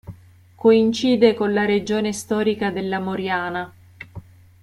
Coincide con la regione storica della Moriana.